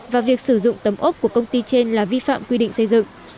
và việc sử dụng tấm ốc của công ty trên là vi phạm quy định xây dựng